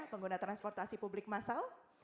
pengguna transportasi publik massal